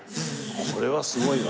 これはすごいわ。